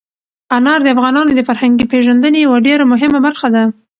انار د افغانانو د فرهنګي پیژندنې یوه ډېره مهمه برخه ده.